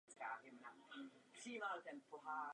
Autoři sochařské výzdoby nejsou přesně známi.